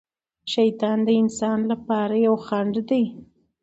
شیطان د انسان لپاره یو خڼډ دی.